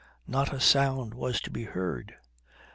Not a sound was to be heard.